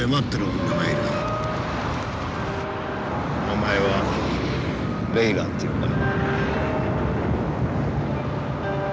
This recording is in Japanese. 名前はレイラっていうんだ。